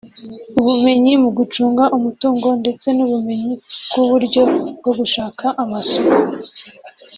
ubumenyi mu gucunga umutungo ndetse n’ubumenyi bw’uburyo bwo gushaka amasoko